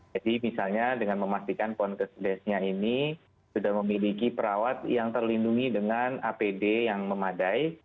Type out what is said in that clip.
jadi misalnya dengan memastikan ponkes desnya ini sudah memiliki perawat yang terlindungi dengan apd yang memadai